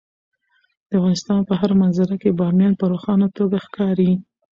د افغانستان په هره منظره کې بامیان په روښانه توګه ښکاري.